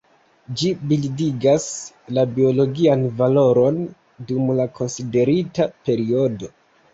Ĝi bildigas la biologian valoron dum la konsiderita periodo.